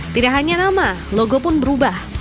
tidak hanya nama logo pun berubah